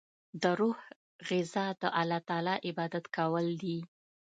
د روح غذا د الله تعالی عبادت کول دی.